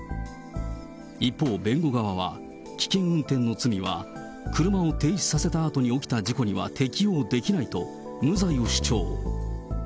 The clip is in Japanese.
一方、弁護側は危険運転の罪は車を停止させたあとに起きた事故には適用できないと、無罪を主張。